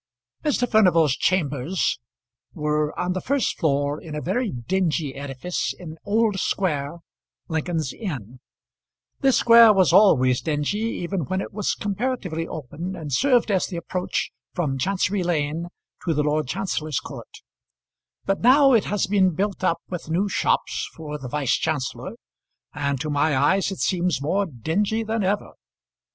Mr. Furnival's chambers were on the first floor in a very dingy edifice in Old Square, Lincoln's Inn. This square was always dingy, even when it was comparatively open and served as the approach from Chancery Lane to the Lord Chancellor's Court; but now it has been built up with new shops for the Vice Chancellor, and to my eyes it seems more dingy than ever.